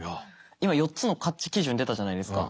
今４つの基準出たじゃないですか。